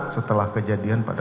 setelah kejadian pada